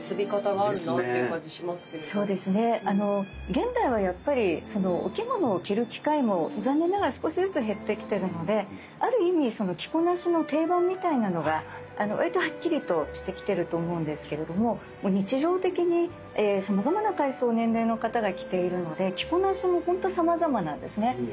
現代はやっぱりお着物を着る機会も残念ながら少しずつ減ってきてるのである意味その着こなしの定番みたいなのがわりとはっきりとしてきてると思うんですけれども日常的にさまざまな階層年齢の方が着ているので着こなしもほんとさまざまなんですね。